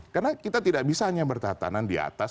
karena kita tidak bisa hanya bertahanan di atas